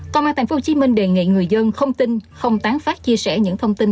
công an thành phố hồ chí minh đề nghị người dân không tin không tán phát chia sẻ những thông tin